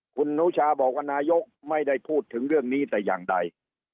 คุณนุชาบอกว่านายกไม่ได้พูดถึงเรื่องนี้แต่อย่างใด